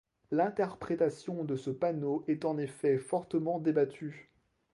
L'interprétation de ce panneau est en effet fortement débattue.